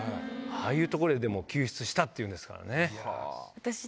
ああいう所で救出したっていうんですからね。